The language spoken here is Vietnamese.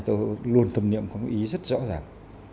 tôi luôn thâm niệm có một ý rất rõ ràng